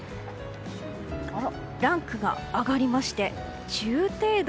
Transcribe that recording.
ランクが上がりまして中程度。